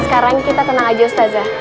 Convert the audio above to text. sekarang kita tenang aja ustazah